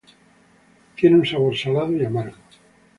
Tiene un sabor salado y amargo.